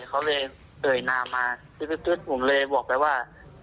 เขาเลยเอ่ยนามมาตึ๊ดผมเลยบอกไปว่า